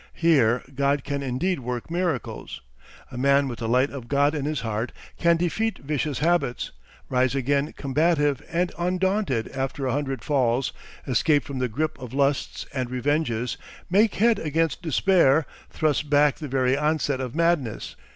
Here God can indeed work miracles. A man with the light of God in his heart can defeat vicious habits, rise again combative and undaunted after a hundred falls, escape from the grip of lusts and revenges, make head against despair, thrust back the very onset of madness.